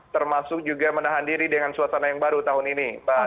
termasuk juga menahan diri dengan suasana yang baru tahun ini